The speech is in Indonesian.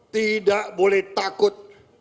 tidak boleh takut